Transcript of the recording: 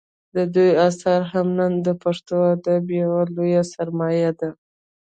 د دوی اثار نن هم د پښتو ادب یوه لویه سرمایه ده